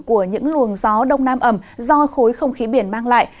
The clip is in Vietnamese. của những luồng gió đông nam ẩm do khối không khí biển mang lại